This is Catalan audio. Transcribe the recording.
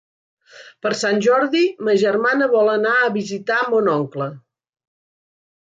Per Sant Jordi ma germana vol anar a visitar mon oncle.